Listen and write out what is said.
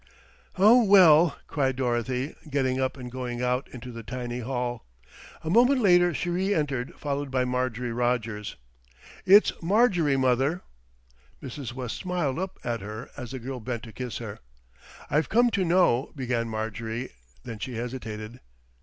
"Oh, well," cried Dorothy, getting up and going out into the tiny hall. A moment later she re entered, followed by Marjorie Rogers. "It's Marjorie, mother." Mrs. West smiled up at her as the girl bent to kiss her. "I've come to know," began Marjorie, then she hesitated.